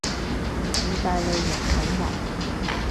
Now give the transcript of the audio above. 意大利人好忙